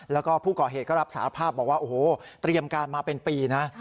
แล้วก็ผู้ก่อเหตุก็รับสาภาพบอกว่าโอ้โหเตรียมการมาเป็นปีนะ